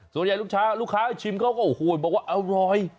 ส่วนใหญ่ลูกชาลูกค้าชิมเขาก็โอ้โหบอกว่าอร่อย